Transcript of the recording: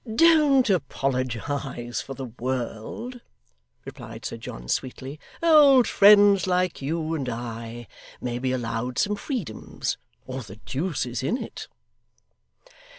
'Don't apologise, for the world,' replied Sir John sweetly; 'old friends like you and I, may be allowed some freedoms, or the deuce is in it.